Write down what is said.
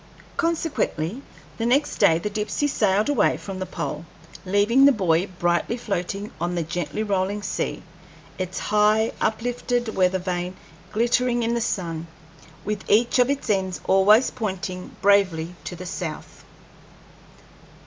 Consequently the next day the Dipsey sailed away from the pole, leaving the buoy brightly floating on a gently rolling sea, its high uplifted weather vane glittering in the sun, with each of its ends always pointing bravely to the south.